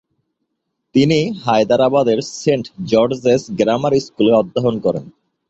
তিনি হায়দরাবাদের saint George's grammar স্কুলে অধ্যয়ন করেন।